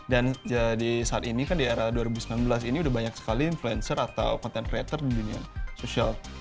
dan jadi saat ini kan di era dua ribu sembilan belas ini sudah banyak sekali influencer atau content creator di dunia sosial